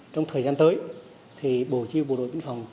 trong thời gian tới bộ chiều bộ đội biên phòng